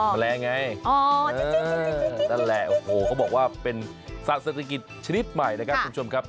อ๋อแมลงไงตั้งแหละโอ้โหเขาบอกว่าเป็นศาสตรกิจชนิดใหม่นะครับคุณผู้ชมครับ